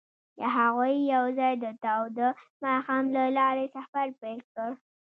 هغوی یوځای د تاوده ماښام له لارې سفر پیل کړ.